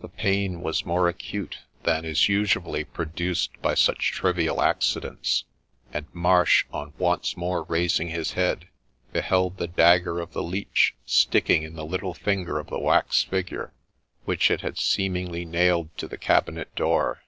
The pain was more acute than is usually produced by such trivial accidents ; and Marsh, on once more raising his head, beheld the dagger of the Leech sticking in the little finger of the wax figure, which it had seem ingly nailed to the cabinet door.